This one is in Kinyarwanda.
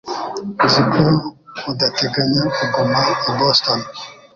Nzi ko udateganya kuguma i Boston